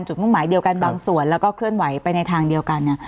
มุ่งหมายเดียวกันบางส่วนแล้วก็เคลื่อนไหวไปในทางเดียวกันเนี่ย